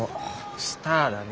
スターだね。